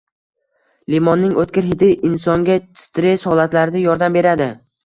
Limonning o‘tkir hidi insonga stress holatlarida yordam beradi.